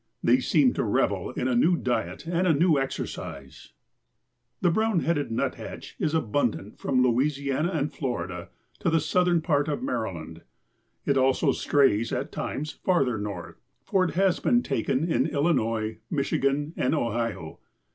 They seemed to revel in a new diet and a new exercise." The Brown headed Nuthatch is abundant from Louisiana and Florida to the southern part of Maryland. It also strays, at times, farther north, for it has been taken in Illinois, Michigan and Ohio.